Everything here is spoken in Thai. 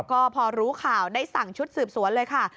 ก็พอรู้ข่าวได้สั่งชุดสืบสวนเลยค่ะ